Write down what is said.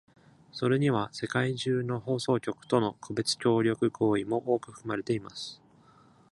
それには、世界中の放送局との個別協力合意も多く含まれています。